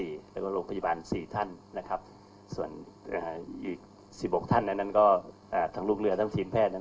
ก็๑๓๔และก็โรงพยาบาล๔ท่านส่วนอีก๑๖ท่านทั้งลูกเรือทั้งทีมแพทย์